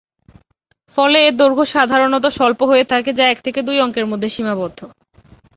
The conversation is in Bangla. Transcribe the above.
ফলে এর দৈর্ঘ্য সাধারণত স্বল্প হয়ে থাকে, যা এক থেকে দুই অঙ্কের মধ্যে সীমাবদ্ধ।